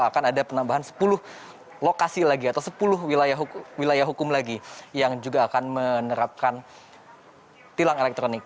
akan ada penambahan sepuluh lokasi lagi atau sepuluh wilayah hukum lagi yang juga akan menerapkan tilang elektronik